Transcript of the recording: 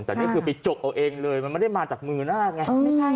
แต่นี่คือไปจกเอาเองเลยมันไม่ได้มาจากมือหน้าไง